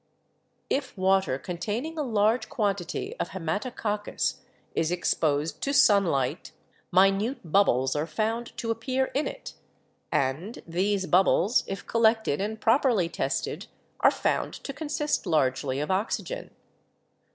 "If water containing a large quantity of Haematococcus is exposed to sunlight minute bubbles are found to appear in it, and these bubbles, if collected and properly tested, are found to consist largely of oxygen.